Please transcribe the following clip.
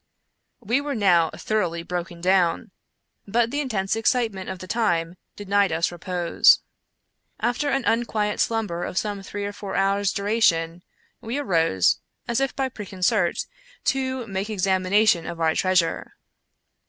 We were now thoroughly broken down ; but the intense excitement of the time denied us repose. x\fter an un quiet slumber of some three or four hours' duration, we arose, as if by preconcert, to make examination of our treasure.